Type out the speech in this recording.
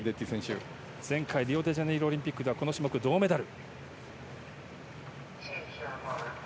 前回、リオデジャネイロオリンピックではこの種目、銅メダル。